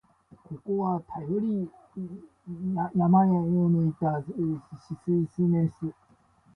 ここは、頼山陽のいた山紫水明処、